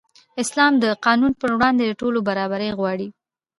اسلام د قانون پر وړاندې د ټولو برابري غواړي.